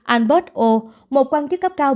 albot o một quan chức cấp cao